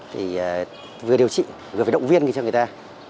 thì vừa điều trị vừa phải động viên cho người ta